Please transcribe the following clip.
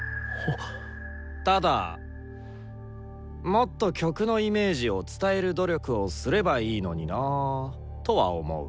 ただもっと曲のイメージを伝える努力をすればいいのになぁとは思う。